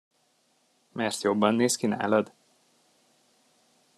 Mert jobban néz ki nálad?